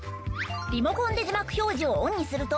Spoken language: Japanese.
リモコンで字幕表示をオンにすると。